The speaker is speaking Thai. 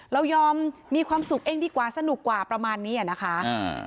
เรายอมมีความสุขเองดีกว่าสนุกกว่าประมาณนี้อ่ะนะคะอ่า